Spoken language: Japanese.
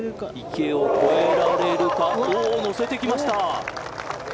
池を越えられるか乗せてきました。